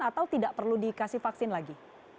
atau tidak perlu dikasih vaksin lagi